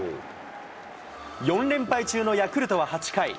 ４連敗中のヤクルトは８回。